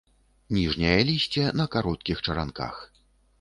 Ніжняе лісце на кароткіх чаранках.